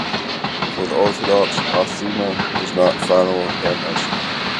For the Orthodox, anathema is not final damnation.